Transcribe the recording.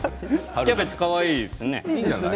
キャベツ、いいですね。